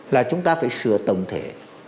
là chúng ta phải sửa tổng thể